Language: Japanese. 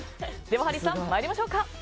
ハリーさん、参りましょうか。